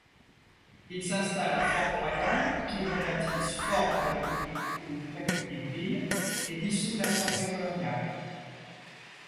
Il s'installe à Fort-Royal qu'il rebaptise Fort-République ou République-ville et dissout l'Assemblée coloniale.